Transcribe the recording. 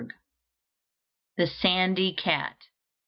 THE SANDY CAT.